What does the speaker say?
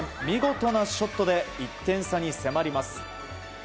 見事なショットで１点差に迫ります。